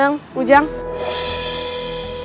jangan lupa untuk berlangganan